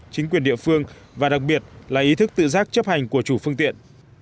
chính quyền địa phương và đặc biệt là ý thức tự giác chấp hành của chủ phương tiện